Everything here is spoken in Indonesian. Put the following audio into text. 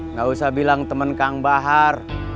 nggak usah bilang teman kang bahar